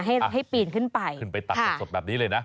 ให้ให้ปีนขึ้นไปขึ้นไปตักสดสดแบบนี้เลยนะ